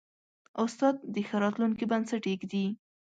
استاد د ښه راتلونکي بنسټ ایږدي.